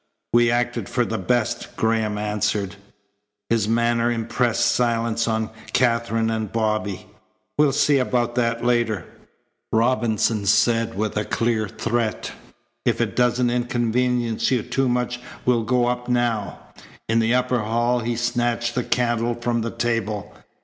"We acted for the best," Graham answered. His manner impressed silence on Katherine and Bobby. "We'll see about that later," Robinson said with a clear threat. "If it doesn't inconvenience you too much we'll go up now." In the upper hall he snatched the candle from the table.